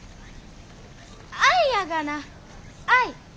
愛やがな愛！